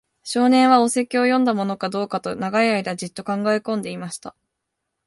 少年は、お説教を読んだものかどうかと、長い間じっと考えこんでいました。